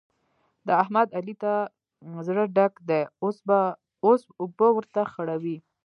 د احمد؛ علي ته زړه ډک دی اوس اوبه ورته خړوي.